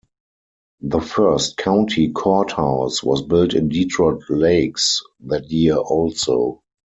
The first county courthouse was built in Detroit Lakes that year also.